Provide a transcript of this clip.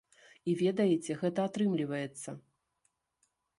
І ведаеце, гэта атрымліваецца!